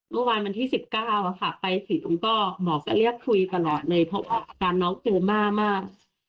เมื่อวานวันที่๑๙ค่ะไปถือตรงกล้อหมอก็เรียกคุยตลอดเลยเพราะว่าการน้องตัวมาก